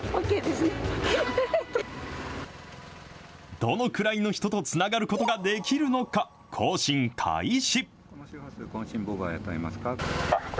どのくらいの人とつながることができるのか、交信開始。